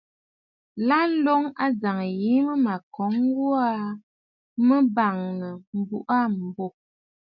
Lâ, ǹloŋ ajàŋ yìi mə mə̀ kɔ̀ŋə gho aa, mə bàŋnə̀ m̀buꞌu aa m̀bô.